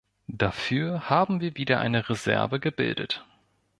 Dafür haben wir wieder eine Reserve gebildet.